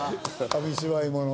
紙芝居もの。